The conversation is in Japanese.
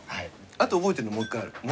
あと覚えてるのもう１個ある。